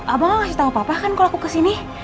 abang gak ngasih tau papa kan kalau aku kesini